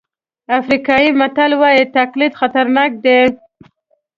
افریقایي متل وایي تقلید خطرناک دی.